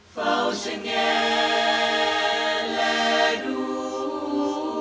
เฝ้าฉันแง่และดู